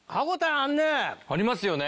ありますよね。